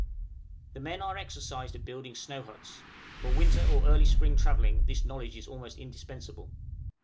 The men are exercised at building snow huts; for winter or early spring travelling, this knowledge is almost indispensable.